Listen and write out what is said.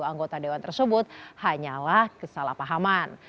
dua anggota dewan tersebut hanyalah kesalahpahaman